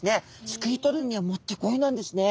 すくい取るにはもってこいなんですね。